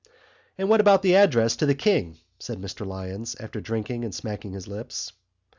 "And what about the address to the King?" said Mr Lyons, after drinking and smacking his lips.